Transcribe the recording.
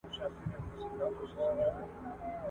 پرېږده چي تور مولوي !.